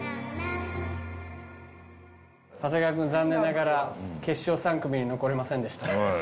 長谷川君残念ながら決勝３組に残れませんでした。